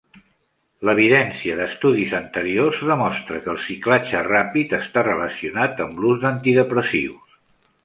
L'evidència d'estudis anteriors demostra que el ciclatge ràpid està relacionat amb l'ús d'antidepressius.